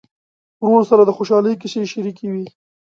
ورور سره د خوشحالۍ کیسې شريکې وي.